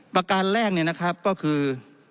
ประการแรกเนี่ยนะครับก็คือ